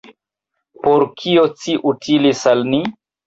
Por kio ci utilis al ni?